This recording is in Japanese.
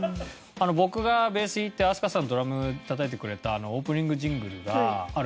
僕がベース弾いて飛鳥さんドラムたたいてくれたあのオープニングジングルがあるんですけどね。